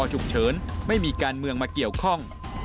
ฉุกเฉินไม่มีการเมืองมาเกี่ยวข้อง